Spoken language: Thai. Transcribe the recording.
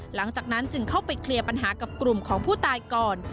หลังจากนั้นจึงเข้าไปเคลียร์ปัญหากับกลุ่มของผู้ตายก่อน